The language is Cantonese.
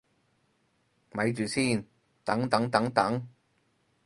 咪住先，等等等等